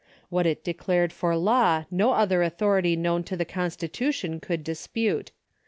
What it declared for law no other authority known to the constitution could dispute.